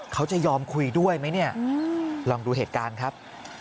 เขาจะยอมคุยด้วยไหมเนี่ยลองดูเหตุการณ์ครับ